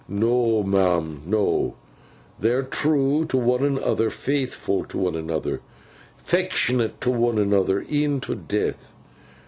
'No, ma'am, no. They're true to one another, faithfo' to one another, 'fectionate to one another, e'en to death.